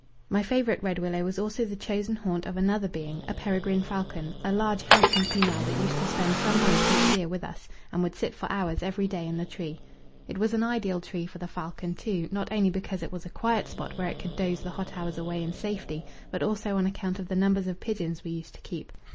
My favourite red willow was also the chosen haunt of another being, a peregrine falcon, a large handsome female that used to spend some months each year with us, and would sit for hours every day in the tree. It was an ideal tree for the falcon, too, not only because it was a quiet spot where it could doze the hot hours away in safety, but also on account of the numbers of pigeons we used to keep.